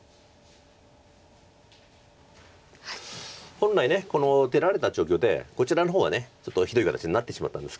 本来この出られた状況でこちらの方はちょっとひどい形になってしまったんですけども。